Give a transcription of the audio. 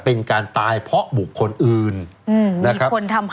เป็นการตายเพราะบุกคนอื่นนะครับ